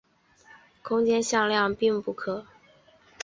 空间向量并不足以完整描述空间中的旋转。